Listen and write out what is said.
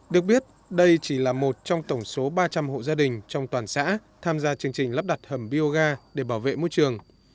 được biết đây chỉ là một trong tổng số ba trăm linh hộ gia đình trong toàn xã tham gia chương trình lắp đặt hầm bioga để bảo vệ môi trường